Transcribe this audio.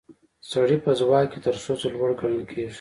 سړي په ځواک کې تر ښځو لوړ ګڼل کیږي